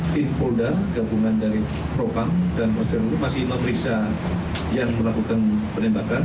tim polda gabungan dari propam dan poseum masih memeriksa yang melakukan penembakan